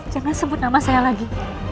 jangan sebut nama saya lagi